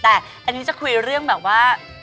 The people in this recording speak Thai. แต่อันนี้จะคุยเรื่องแบบว่า